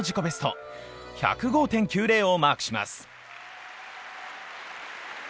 ベスト１０５．９０をマークします。